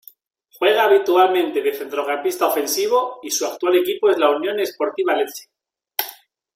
Juega habitualmente de centrocampista ofensivo y su actual equipo es la Unione Sportiva Lecce.